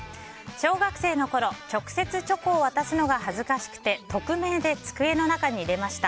小学生のころ、直接チョコを渡すのが恥ずかしくて匿名で机の中に入れました。